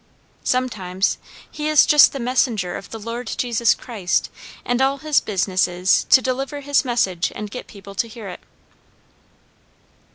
Sometimes he is just the messenger of the Lord Jesus Christ, and all his business is to deliver his message and get people to hear it."